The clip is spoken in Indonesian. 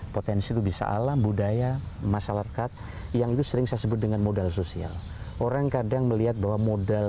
potensi itu bisa alam budaya masyarakat yang itu sering saya sebut dengan modal sosial